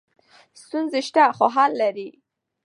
ستونزې شته خو حل لري.